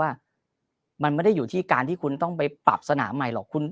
ว่ามันไม่ได้อยู่ที่การที่คุณต้องไปปรับสนามใหม่หรอก